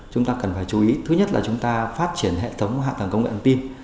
chúng ta cần phải chú ý thứ nhất là chúng ta phát triển hệ thống hạ tầng công nghệ thông tin